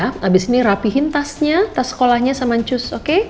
habis ini rapihin tasnya tas sekolahnya sama cus oke